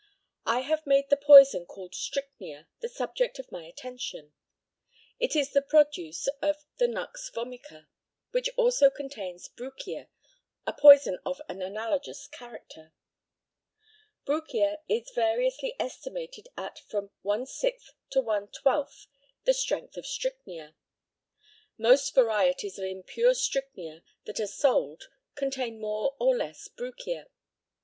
I have made the poison called strychnia the subject of my attention. It is the produce of the nux vomica, which also contains brucia, a poison of an analogous character. Brucia is variously estimated at from one sixth to one twelfth the strength of strychnia. Most varieties of impure strychnia that are sold contain more or less brucia.